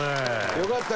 よかったね